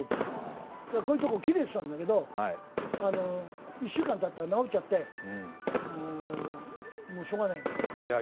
こういうところ切れてたんだけど、１週間たったら治っちゃってもうしょうがないね。